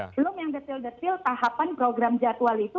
belum yang detil detil tahapan program jadwal itu